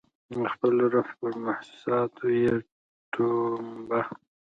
د خپل روح پر محسوساتو یې ټومبه